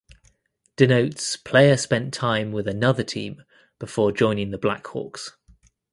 Denotes player spent time with another team before joining the Blackhawks.